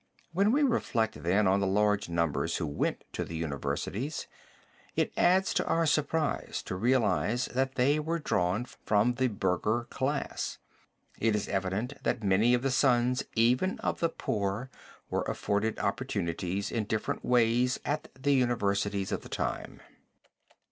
When we reflect, then, on the large numbers who went to the universities, it adds to our surprise to realize that they were drawn from the burgher class. It is evident that many of the sons even of the poor were afforded opportunities in different ways at the universities of the time.